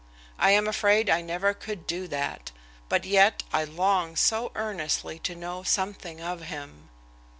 I am afraid I never could do that, but yet I long so earnestly to know something of him.